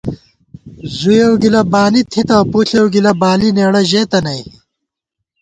زُویېؤ گِلہ بانی تھِتہ ، پݪېؤ گِلہ بالی نېڑہ ژېتہ نئ